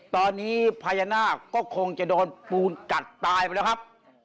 ตอนนี้พญานาคก็คงจะโดนปูนกัดตายไปแล้วครับ